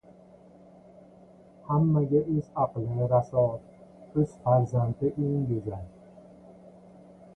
• Hammaga o‘z aqli — raso, o‘z farzandi — eng go‘zal.